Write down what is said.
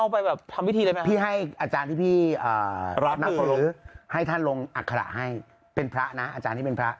พี่ให้อาจารย์ที่พี่นักภรรพให้ท่านลงอัฆภาระให้เป็นพระนะอาจารย์ที่เป็นพระ